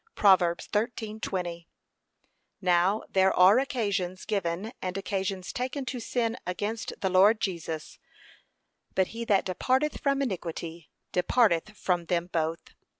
(Prov. 13:20) Now there are occasions given and occasions taken to sin against the Lord Jesus; but he that departeth from iniquity departeth from them both.